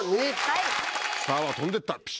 スターは飛んでったピシ！